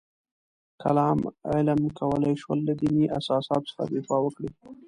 کلام علم کولای شول له دیني اساساتو څخه دفاع وکړي.